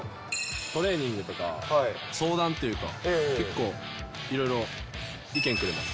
トレーニングとか、相談っていうか、結構いろいろ意見くれます。